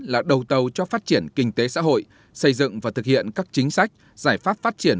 là đầu tàu cho phát triển kinh tế xã hội xây dựng và thực hiện các chính sách giải pháp phát triển